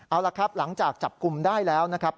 เอาละครับหลังจากจับกลุ่มได้แล้วนะครับ